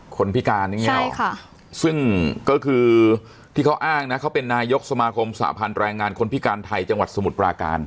คนพิการอย่างนี้ซึ่งก็คือที่เขาอ้างนะเขาเป็นนายกสมาคมสาพันธ์แรงงานคนพิการไทยจังหวัดสมุทรปราการ